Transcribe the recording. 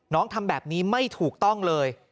ทำแบบนี้ไม่ถูกต้องเลย